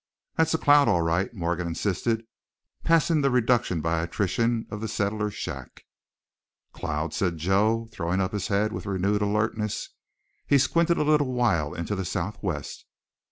"That's a cloud, all right," Morgan insisted, passing the reduction by attrition of the settler's shack. "Cloud?" said Joe, throwing up his head with renewed alertness. He squinted a little while into the southwest.